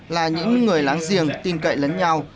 là những người láng giềng tin cậy lấn nhau